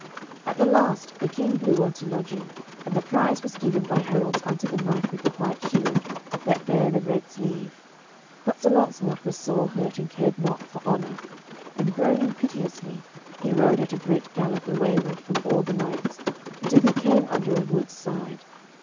At the last the King blew unto lodging, and the prize was given by heralds unto the knight with the white shield, that bare the red sleeve. But Sir Launcelot was sore hurt, and cared not for honour; and groaning piteously, he rode at a great gallop away ward from all the knights, until he came under a wood's side.